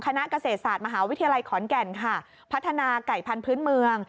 คณะเกษตรศาสตร์มหาวิทยาลัยขอนแก่นค่ะพัฒนาไก่พันธุ์เมือง